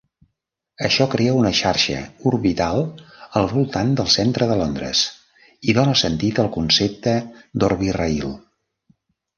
Això crea una xarxa orbital al voltant del centre de Londres i dona sentit al concepte d'Orbirail.